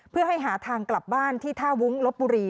เพื่อให้หาทางกลับบ้านที่ท่าวุ้งลบบุรี